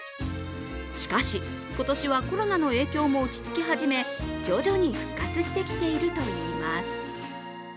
しかし、今年はコロナの影響も落ち着き始め、徐々に復活してきているといいます。